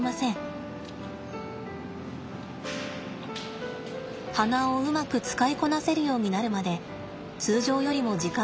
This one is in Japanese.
鼻をうまく使いこなせるようになるまで通常よりも時間がかかったといいます。